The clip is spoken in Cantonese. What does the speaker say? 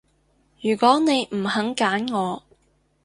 如果你唔肯揀我